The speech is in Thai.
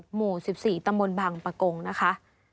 หมู่๑๔ตำบลบังปะกงนะคะ